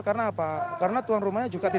karena apa karena tuan rumahnya juga